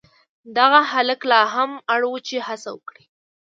دغه هلک لا هم اړ و چې هڅه وکړي.